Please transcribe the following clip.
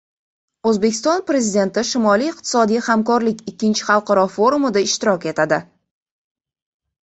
O‘zbekiston Prezidenti Shimoliy iqtisodiy hamkorlik ikkinchi xalqaro forumida ishtirok etadi